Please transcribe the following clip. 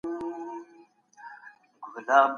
که انلاین پلیټفارم وي، زده کړه منظم ساتل کېږي.